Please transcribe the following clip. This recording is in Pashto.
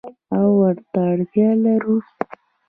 او ورته اړتیا لرو.